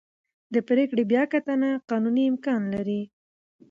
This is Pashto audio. د پرېکړې بیاکتنه قانوني امکان لري.